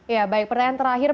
ya baik pertanyaan terakhir